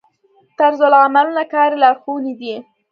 طرزالعملونه کاري لارښوونې دي